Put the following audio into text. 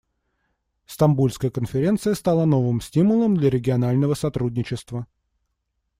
Стамбульская конференция стала новым стимулом для регионального сотрудничества.